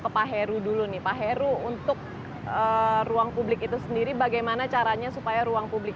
ke pak heru dulu nih pak heru untuk ruang publik itu sendiri bagaimana caranya supaya ruang publik